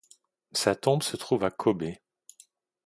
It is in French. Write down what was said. Sa tombe se trouve à Kōbe.